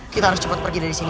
kita harus cepat pergi dari sini